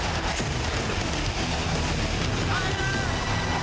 ไทยลา